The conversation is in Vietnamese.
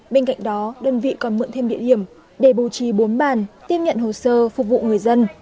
bên cạnh đó đơn vị còn mượn thêm địa điểm để bù trì bốn bàn tiếp nhận hồ sơ phục vụ người dân